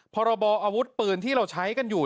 พรบออาวุธปืนที่เราใช้กันอยู่